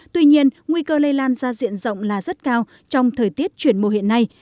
tuy nhiên nguy cơ lây lan ra diện rộng là rất cao trong thời tiết chuyển mùa hiện nay